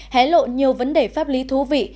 hé lộ nhiều vấn đề pháp lý thú vị